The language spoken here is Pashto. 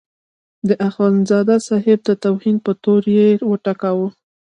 د اخندزاده صاحب د توهین په تور یې وټکاوه.